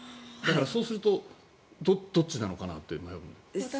そうするとどっちなのかなってなる。